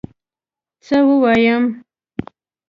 څه ووایم؟!